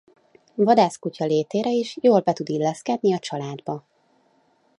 Vadászkutya létére is jól be tud illeszkedni a családba.